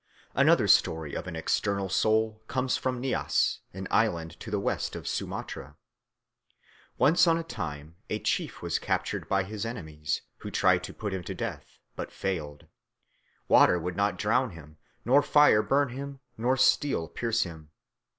Another story of an external soul comes from Nias, an island to the west of Sumatra. Once on a time a chief was captured by his enemies, who tried to put him to death but failed. Water would not drown him nor fire burn him nor steel pierce him.